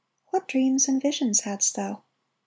What dreams and visions hadst thou ?